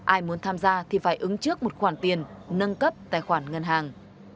ai muốn tham gia thì phải ứng trước một khoản tiền nâng cấp tài khoản ngân hàng